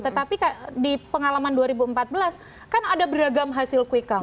tetapi di pengalaman dua ribu empat belas kan ada beragam hasil quick count